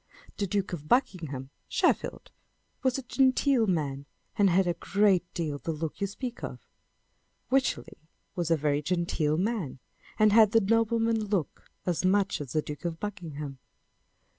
The Duke of Buckingham (Sheffield1) was a genteel man, and had a great deal the look you speak of. Wycherley was a very genteel man, and had the nobleman look as much as the Duke of Buckingham.